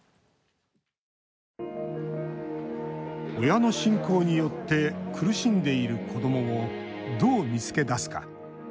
親の信仰によって苦しんでいる子どもをどう見つけ出すか。